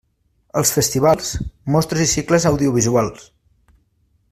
Els festivals, mostres i cicles audiovisuals.